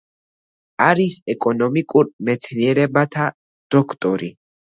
არის ეკონომიკურ მეცნიერებათა დოქტორი.